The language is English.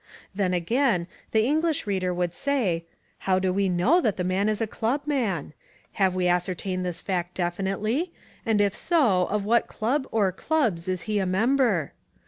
Then again, the English reader would say, how do we know that the man is a clubman? Have we ascertained this fact definitely, and if so, of what club or clubs is he a member?